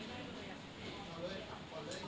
สวัสดีครับ